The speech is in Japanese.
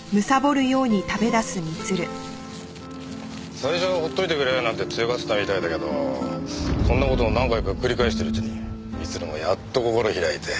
最初は放っておいてくれなんて強がってたみたいだけどそんな事を何回か繰り返してるうちに光留もやっと心開いて宮さんに甘えるようになった。